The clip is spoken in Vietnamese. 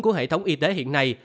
của hệ thống y tế hiện nay